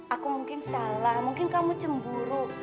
aku mungkin salah mungkin kamu cemburuk